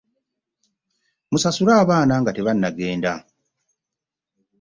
Musasule abaana nga tebannagenda.